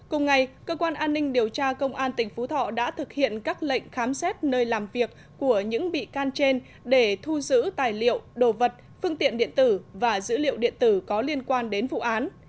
cùng ngày cơ quan an ninh điều tra công an tỉnh phú thọ đã thực hiện các lệnh khám xét nơi làm việc của những bị can trên để thu giữ tài liệu đồ vật phương tiện điện tử và dữ liệu điện tử có liên quan đến vụ án